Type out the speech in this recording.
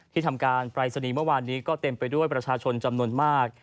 ทำการปรายศนีย์เมื่อวานนี้ก็เต็มไปด้วยประชาชนจำนวนมาก